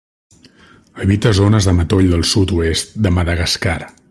Habita zones de matoll del sud -oest de Madagascar.